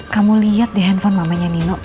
kamu lihat di handphone mamanya nino